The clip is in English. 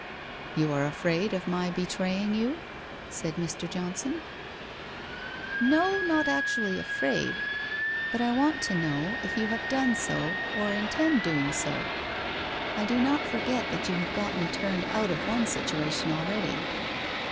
' You are afraid of my betraying you?' said Mr. John ton, 116 WHITE ROSE OF WEARY LEAF ' Xo, not actually afraid, but I want to know if you have done so, or intend doing so. I do not forget that you have got me turned out of one situation already.'